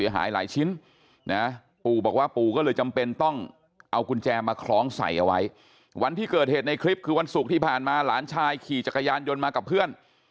เหตุว่าเพราะวันสุกที่ผ่านมาหลานชายขี่จักรยานยนต์มากับเพื่อน